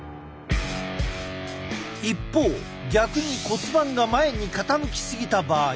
一方逆に骨盤が前に傾きすぎた場合。